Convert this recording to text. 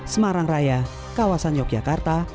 semarang raya kawasan yogyakarta